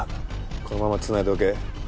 このままつないでおけ。